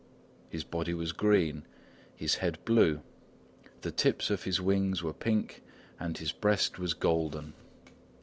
His body was green, his head blue, the tips of his wings were pink and his breast was golden.